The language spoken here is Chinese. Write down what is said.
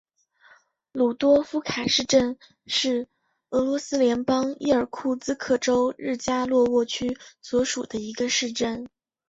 鲁多夫卡市镇是俄罗斯联邦伊尔库茨克州日加洛沃区所属的一个市镇。